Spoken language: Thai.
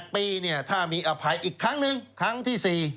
๘ปีถ้ามีอภัยอีกครั้งหนึ่งครั้งที่๔